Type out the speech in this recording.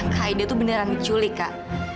kak aida tuh beneran diculik kak